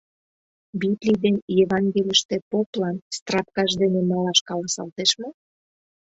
— Библий ден Евангельыште поплан страпкаж дене малаш каласалтеш мо?